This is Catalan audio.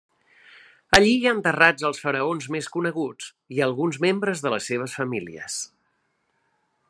Allí hi ha enterrats els faraons més coneguts i alguns membres de les seves famílies.